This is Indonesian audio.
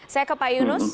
saya ke pak yunus